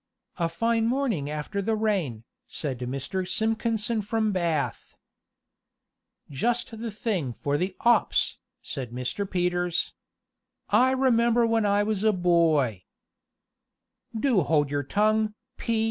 "A fine morning after the rain," said Mr. Simpkinson from Bath. "Just the thing for the 'ops," said Mr. Peters. "I remember when I was a boy " "Do hold your tongue, P.